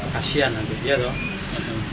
kasian nanti dia tuh